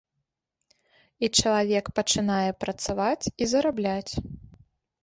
І чалавек пачынае працаваць і зарабляць.